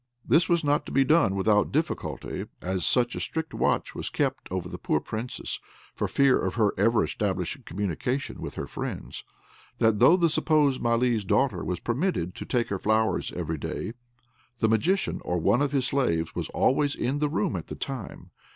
This was not to be done without difficulty, as such a strict watch was kept over the poor Princess (for fear of her ever establishing communication with her friends), that though the supposed Malee's daughter was permitted to take her flowers every day, the Magician or one of his slaves was always in the room at the time.